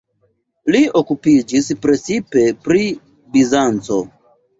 Li okupiĝis precipe pri Bizanco.